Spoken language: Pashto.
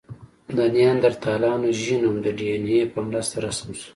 د نیاندرتالانو ژینوم د ډياېناې په مرسته رسم شو.